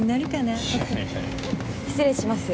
失礼します。